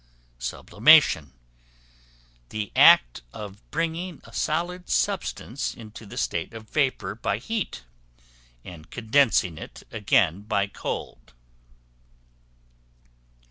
Sublimation, the act of bringing a solid substance into the state of vapor by heat, and condensing it again by cold.